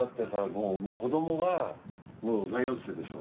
もう子どもが大学生でしょ？